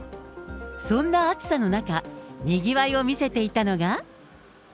そんな暑さの中、にぎわいを見せていたのが。